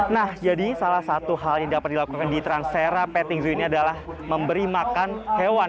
nah jadi salah satu hal yang dapat dilakukan di transera petting zoo ini adalah memberi makan hewan